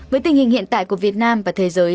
với tình hình hiện tại của việt nam và thế giới